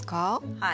はい。